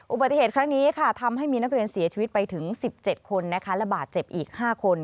อุบัติเหตุครั้งนี้ค่ะทำให้มีนักเรียนเสียชีวิตไปถึง๑๗คนนะคะระบาดเจ็บอีก๕คน